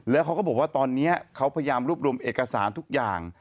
แล้วเขาก็บอกว่าตอนนี้เขาพยายามรวบรวมเอกสารทุกอย่าง